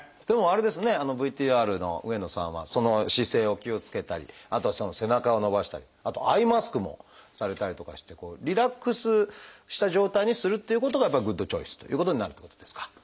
でもあれですねＶＴＲの上野さんは姿勢を気をつけたりあとは背中を伸ばしたりあとアイマスクもされたりとかしてリラックスした状態にするっていうことがやっぱりグッドチョイスということになるっていうことですか？